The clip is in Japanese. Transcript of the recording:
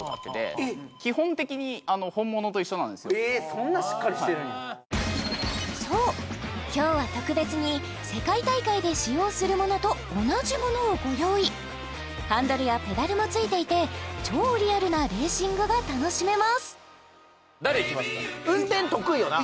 そんなしっかりしてるんやそう今日は特別に世界大会で使用するものと同じものをご用意ハンドルやペダルもついていて超リアルなレーシングが楽しめます誰いきますか？